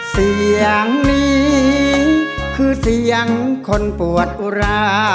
เสียงนี้คือเสียงคนปวดอุรา